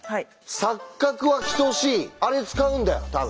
「錯角は等しい」あれ使うんだよ多分。